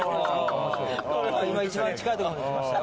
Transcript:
今一番近いとこ来ましたよ。